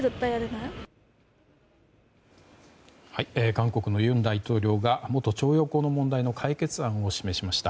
韓国の尹大統領が元徴用工の問題の解決案を示しました。